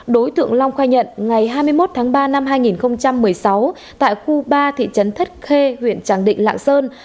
đối tượng long khai nhận ngày hai mươi một tháng ba năm hai nghìn một mươi sáu tại khu ba thị trấn thất khê huyện tràng định lạng sơn